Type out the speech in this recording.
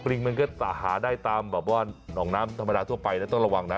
ริงมันก็หาได้ตามแบบว่าหนองน้ำธรรมดาทั่วไปนะต้องระวังนะ